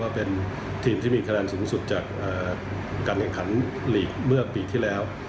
เป็นทีมที่มีคะแนนสูงสุดจากการแข่งขันลีกเมื่อปีที่แล้ว